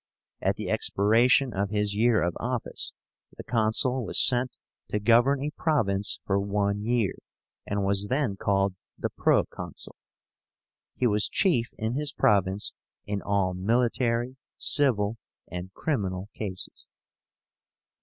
At the expiration of his year of office, the Consul was sent to govern a province for one year, and was then called the Proconsul. He was chief in his province in all military, civil, and criminal cases.